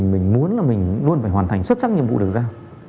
mình muốn là mình luôn phải hoàn thành xuất sắc nhiệm vụ được giao